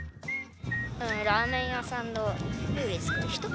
ラーメン屋さんの料理作る人。